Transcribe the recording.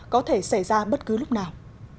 có thể xảy ra bất cứ lúc nào